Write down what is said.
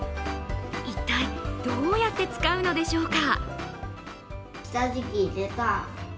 一体どうやって使うのでしょうか。